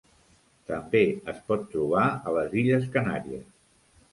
També es pot trobar a les Illes Canàries.